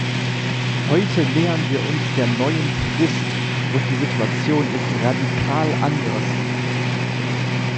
Heute nähern wir uns der neuen Frist, und die Situation ist radikal anders.